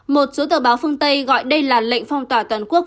một số tờ báo phương tây gọi đây là lệnh phong tỏa toàn quốc